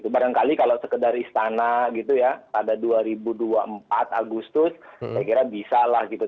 barangkali kalau sekedar istana gitu ya pada dua ribu dua puluh empat agustus saya kira bisa lah gitu